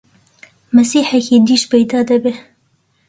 مەسیحێکی دیش پەیدا دەبێ!